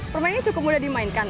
permainnya cukup mudah dimainkan